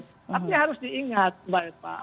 tapi harus diingat mbak eva